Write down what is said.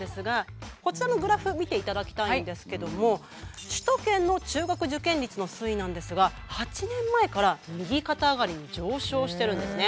こちらのグラフ見ていただきたいんですけども首都圏の中学受験率の推移なんですが８年前から右肩上がりに上昇してるんですね。